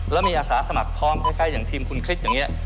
แล้วมีอาสาสมัครพร้อมใกล้อย่างทีมคุณคริสอย่างนี้